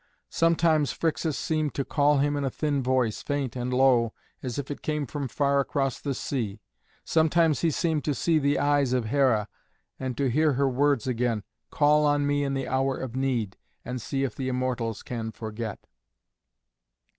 Sometimes Phrixus seemed to call him in a thin voice, faint and low, as if it came from far across the sea. Sometimes he seemed to see the eyes of Hera, and to hear her words again, "Call on me in the hour of need, and see if the Immortals can forget."